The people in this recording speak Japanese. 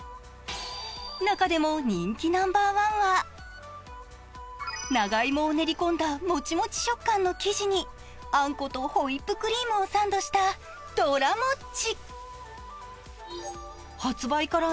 中でも人気ナンバーワンは、長芋を練り込んだもちもち食感の生地にあんことホイップクリームをサンドしたドラもっち。